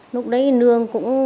lúc đấy nương cũng